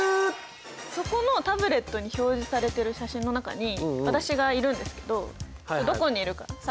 そこのタブレットに表示されてる写真の中に私がいるんですけどどこにいるか探してみてください。